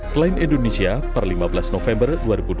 selain indonesia per lima belas november dua ribu dua puluh